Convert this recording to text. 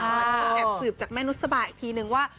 โดยต่อแอบสืบจากแม่นูตสะบายอีกทีนึงว่า